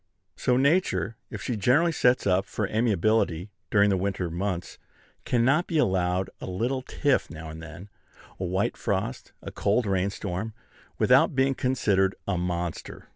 So Nature, if she generally sets up for amiability during the winter months, cannot be allowed a little tiff now and then, a white frost, a cold rain storm, without being considered a monster.